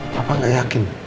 papa gak yakin